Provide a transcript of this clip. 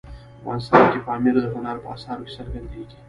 افغانستان کې پامیر د هنر په اثارو کې څرګندېږي.